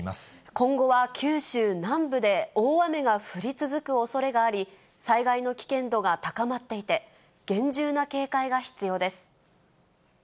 今後は九州南部で大雨が降り続くおそれがあり、災害の危険度が高まっていて、厳重な警戒が必要です。